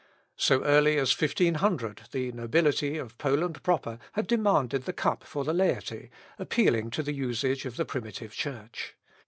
So early as 1500, the nobility of Poland Proper had demanded the cup for the laity, appealing to the usage of the primitive Church.